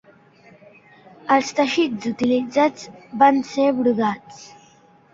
Els teixits utilitzats van ser brodats.